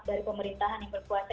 dari pemerintahan yang berkuasa